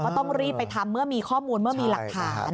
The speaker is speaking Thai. ต้องรีบไปทำเมื่อมีข้อมูลเมื่อมีหลักฐาน